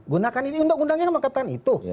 gunakan ini undang undang yang mengangkatkan itu